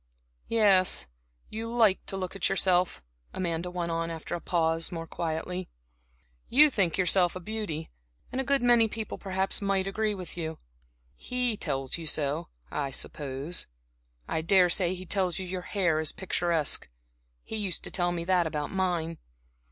"Yes, you like to look at yourself." Amanda went on after a pause, more quietly, "you think yourself a beauty, and a good many people, perhaps, might agree with you. He tells you so, I suppose. I daresay he tells you your hair's picturesque he used to tell me that about mine.